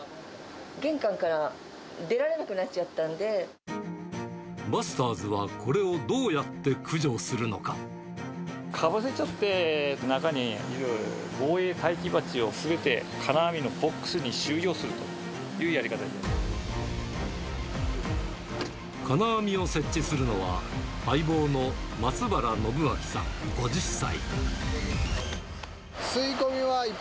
玄関から出られなくなっちゃったバスターズはこれをどうやっかぶせちゃって、中にいる防衛待機バチをすべて金網のボックスに収容するというや金網を設置するのは、相棒の松原暢明さん５０歳。